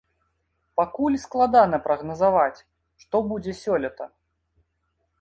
Пакуль складана прагназаваць, што будзе сёлета.